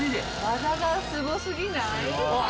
技がすご過ぎない？